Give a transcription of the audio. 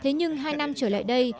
thế nhưng hai năm trở lại đây